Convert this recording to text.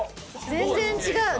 全然違う。